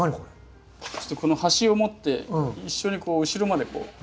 ちょっとこの端を持って一緒に後ろまでこう。